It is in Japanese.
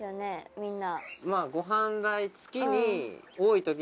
みんな。